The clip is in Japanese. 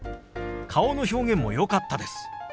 顔の表現もよかったです。